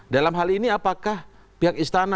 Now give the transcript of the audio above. dalam hal ini apakah pihak istana